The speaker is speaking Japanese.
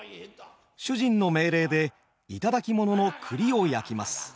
主人の命令で頂き物の栗を焼きます。